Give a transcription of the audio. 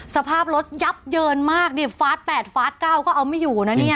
สภาพรถยับเยินมากดิฟาด๘ฟาส๙ก็เอาไม่อยู่นะเนี่ย